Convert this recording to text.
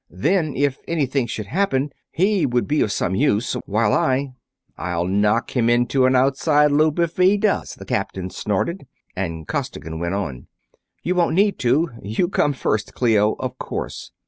Then, if anything should happen, he would be of some use, while I...." "I'll knock him into an outside loop if he does!" the captain snorted, and Costigan went on: "You won't need to. You come first, Clio, of course.